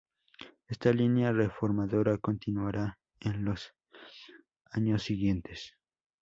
Esta línea reformadora continuará en los años siguientes.